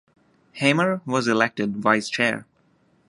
Hamer was elected Vice-Chair.